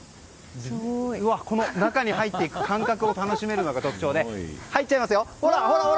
この中に入っていく感覚を楽しめるのが特徴で入っちゃいますよ！